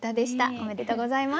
おめでとうございます。